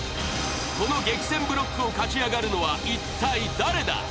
この激戦ブロックを勝ち上がるのはいったい誰だ！？